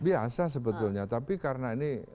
biasa sebetulnya tapi karena ini